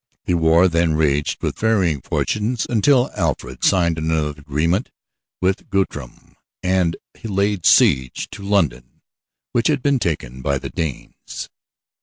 The war then raged with varying fortunes until Alfred signed another agreement with Guthrum, and laid siege to London which had been taken by the Danes.